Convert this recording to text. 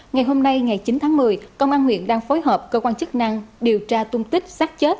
ngày hôm nay ngày chín tháng một mươi công an huyện đang phối hợp cơ quan chức năng điều tra tung tích sát chết